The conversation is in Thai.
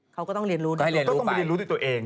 เขาก็ต้องเรียนรู้ด้วยตัวเอง